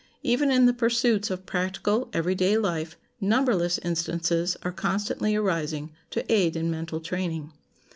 Even in the pursuits of practical, every day life numberless instances are constantly arising to aid in mental training.